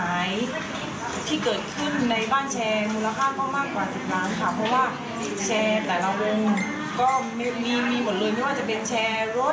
เพราะว่าแชร์แต่ละองค์ก็มีมีหมดเลยไม่ว่าจะเป็นแชร์รถ